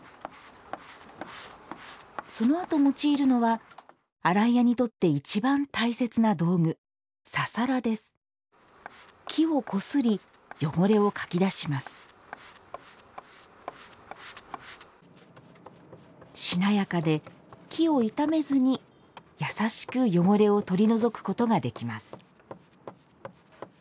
そのあと用いるのは洗い屋にとっていちばん大切な道具木をこすり汚れをかき出しますしなやかで木を傷めずに優しく汚れを取り除くことができます